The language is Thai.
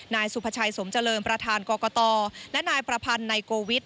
นสุพชัยสมเจริญรองจกกและนประพันธุ์นายโกวีด